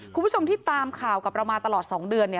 คุณผู้ชมที่ตามข่าวกับเรามาตลอด๒เดือน